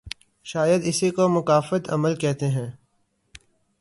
شاید اسی کو مکافات عمل کہتے ہیں۔